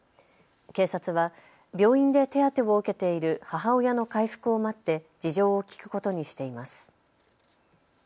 警察は病院で手当てを受けている母親の回復を待って事情を聞くことにしています。